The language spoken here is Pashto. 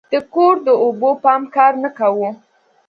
د کور د اوبو پمپ کار نه کاوه.